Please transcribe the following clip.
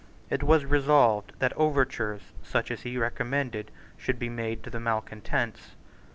It was resolved that overtures such as he recommended should be made to the malecontents.